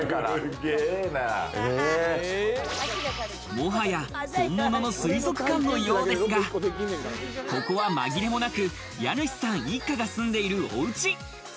もはや、本物の水族館のようですが、ここはまぎれもなく、家主さん一家が住んでいるおうち。